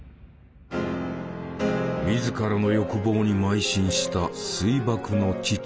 自らの欲望にまい進した水爆の父。